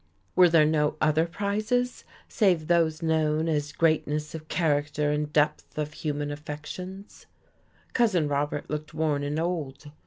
Were there no other prizes save those known as greatness of character and depth of human affections? Cousin Robert looked worn and old.